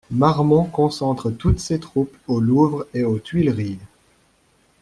Marmont concentre toutes ses troupes au Louvre et aux Tuileries.